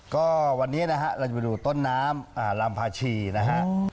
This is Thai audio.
ก็วันนี้นะครับเราจะไปดูต้นน้ำลำพาชีนะครับ